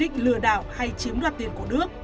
tôi không có ý định nào hay chiếm đoạt tiền của đức